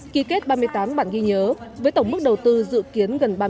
ký kết ba mươi tám bản ghi nhớ với tổng mức đầu tư dự kiến gần ba mươi tỷ đồng